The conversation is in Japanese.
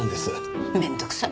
面倒くさい。